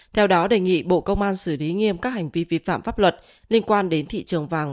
theo đó đề nghị bộ công an xử lý nghiêm các hành vi vi phạm pháp luật liên quan đến thị trường vàng